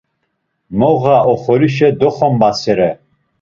Moğa oxorişe doxombasere.